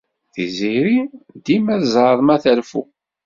Tiziri dima tzeɛɛeḍ mi ad terfu.